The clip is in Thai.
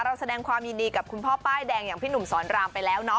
เราแสดงความยินดีกับคุณพ่อป้ายแดงอย่างพี่หนุ่มสอนรามไปแล้วเนาะ